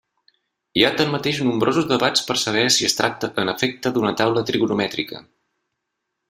Hi ha tanmateix nombrosos debats per saber si es tracta en efecte d'una taula trigonomètrica.